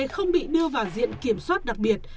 không bị đưa vào diện kiểm soát đặc biệt